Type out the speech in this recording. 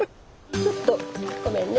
ちょっとごめんね。